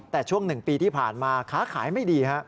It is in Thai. แต่ช่วง๑ปีที่ผ่านมาค้าขายไม่ดี